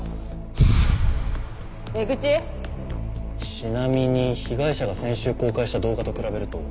ちなみに被害者が先週公開した動画と比べると。